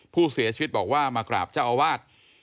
ผู้เสียชีวิตบอกว่ามากราบเจ้าอาวาส